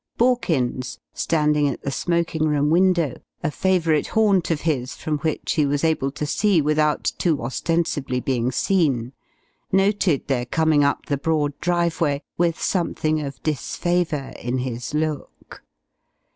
Borkins, standing at the smoking room window a favourite haunt of his from which he was able to see without too ostensibly being seen noted their coming up the broad driveway, with something of disfavour in his look.